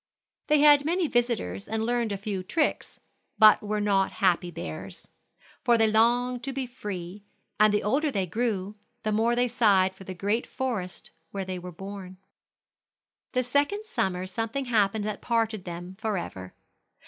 They had many visitors, and learned a few tricks, but were not happy bears; for they longed to be free, and the older they grew, the more they sighed for the great forest where they were born. The second summer something happened that parted them forever.